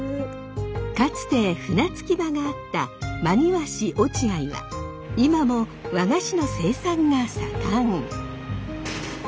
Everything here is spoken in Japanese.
かつて船着き場があった真庭市落合は今も和菓子の生産が盛ん。